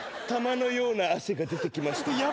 玉のような汗が出てきました。